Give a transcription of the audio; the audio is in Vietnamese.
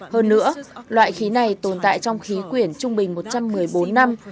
hơn nữa loại khí này tồn tại trong khí quyển trung bình một trăm một mươi bốn năm